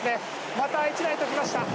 また１台と来ました。